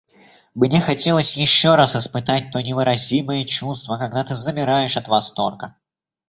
Мне хотелось еще раз испытать то невыразимое чувство, когда ты замираешь от восторга.